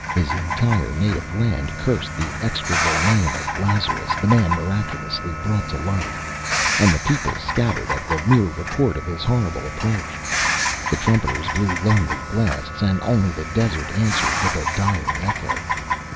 His entire native land cursed the execrable name of Lazarus, the man miraculously brought to life, and the people scattered at the mere report of his horrible approach. The trumpeters blew lonely blasts, and only the desert answered with a dying echo.